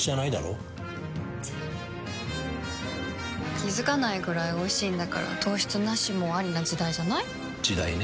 気付かないくらいおいしいんだから糖質ナシもアリな時代じゃない？時代ね。